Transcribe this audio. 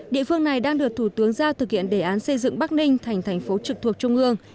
địa phương này đang được thủ tướng giao thực hiện đề án xây dựng bắc ninh thành thành phố trực thuộc trung ương